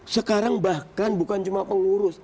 sekarang bahkan bukan cuma pengurus